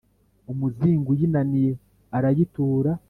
umuzigo uyinaniye, arayitura,